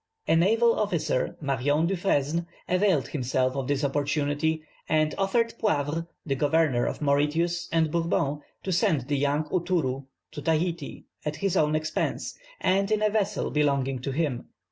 A naval officer, Marion Dufresne, availed himself of this opportunity, and offered Poivre, the Governor of Mauritius and Bourbon, to send the young Aoutourou to Tahiti at his own expense and in a vessel belonging to him.